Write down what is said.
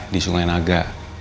di sungai naga